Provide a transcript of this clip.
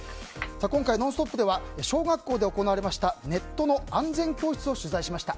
今回、「ノンストップ！」では小学校で行われましたネットの安全教室を取材しました。